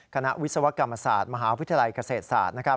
คณะวิศวกรรมศาสตร์มหาวิทยาลัยเกษตรศาสตร์